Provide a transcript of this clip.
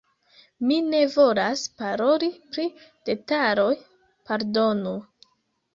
Mi ne volas paroli pri detaloj, pardonu.